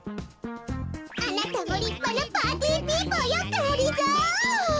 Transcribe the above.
あなたもりっぱなパーティーピーポーよがりぞー。